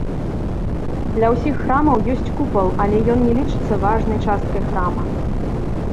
Ля ўсіх храмаў ёсць купал, але ён не лічыцца важнай часткай храма.